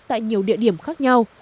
tại nhiều địa điểm khác nhau